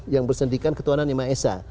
yang bersendirian ketuanan ima esa